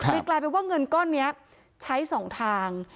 กลายเป็นว่าเงินก้อนนี้ใช้๒ทาง